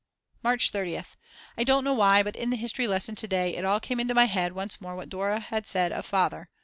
March 30th. I don't know why, but in the history lesson to day it all came into my head once more what Dora had said of Father.